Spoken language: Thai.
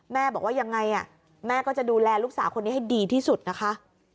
แม่บอกว่ายังไงแม่ก็จะดูแลลูกสาวคนนี้ให้ดีที่สุดนะคะ